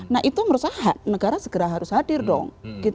nah itu merusak hak negara segera harus hadir dong